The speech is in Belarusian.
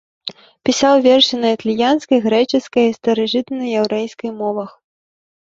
Пісаў вершы на італьянскай, грэчаскай і старажытнаяўрэйскай мовах.